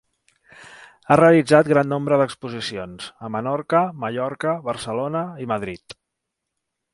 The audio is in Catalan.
Ha realitzat gran nombre d'exposicions, a Menorca, Mallorca, Barcelona i Madrid.